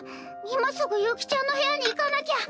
今すぐ悠希ちゃんの部屋に行かなきゃ。